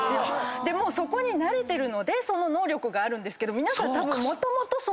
もうそこに慣れてるのでその能力があるんですけど。